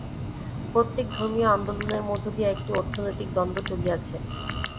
প্রত্যেক ধর্মীয় আন্দোলনের মধ্য দিয়া একটি অর্থনৈতিক দ্বন্দ্ব চলিয়াছে।